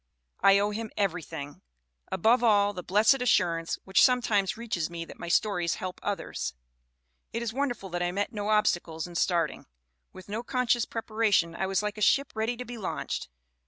I owe him everything ; above all the blessed assurance which sometimes reaches me that my stories help others. "It is wonderful that I met no obstacles in starting. With no conscious preparation I was like a ship ready to be launched.